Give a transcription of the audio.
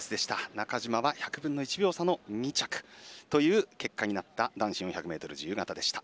中島は１００分の１秒差の２着という結果になった男子４００ｍ自由形でした。